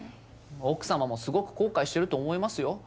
奥様もすごく後悔してると思いますよ。